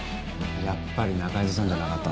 やっぱり仲井戸さんじゃなかったのか。